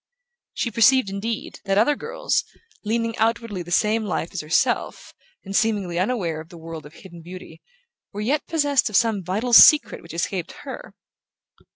She perceived, indeed, that other girls, leading outwardly the same life as herself, and seemingly unaware of her world of hidden beauty, were yet possessed of some vital secret which escaped her.